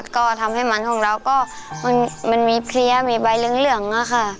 ก็ทำให้มันของเราก็มันมีเพลียมีใบเหลืองอะค่ะ